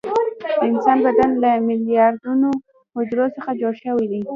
د انسان بدن له میلیارډونو حجرو څخه جوړ شوی دی